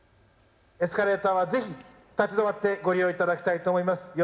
エスカレーターはぜひ立ち止まってご利用いただきたいと思います。